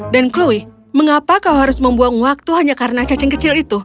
dan chloe mengapa kau harus membuang waktu hanya karena cacing kecil itu